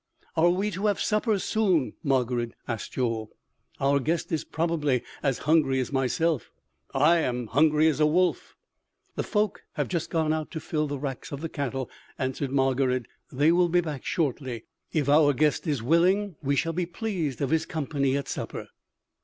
"Are we to have supper soon, Margarid?" asked Joel. "Our guest is probably as hungry as myself; I am hungry as a wolf." "The folk have just gone out to fill the racks of the cattle," answered Margarid; "they will be back shortly. If our guest is willing we shall be pleased of his company at supper."